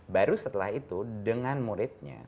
baru setelah itu dengan muridnya